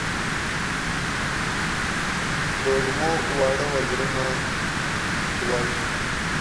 د وږمو واړه وزرونه سوی